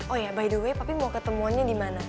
oh ya by the way tapi mau ketemuannya di mana